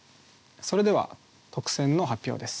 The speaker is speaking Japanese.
それでは特選の発表です。